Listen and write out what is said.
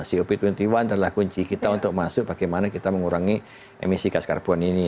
cop dua puluh satu adalah kunci kita untuk masuk bagaimana kita mengurangi emisi gas karbon ini